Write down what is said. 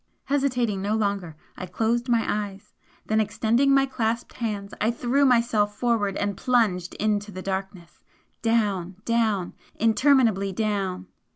Hesitating no longer, I closed my eyes, then extending my clasped hands I threw myself forward and plunged into the darkness! down, down, interminably down!